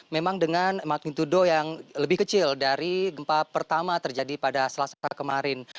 memang dengan magnitudo yang lebih kecil dari gempa pertama terjadi pada selasa kemarin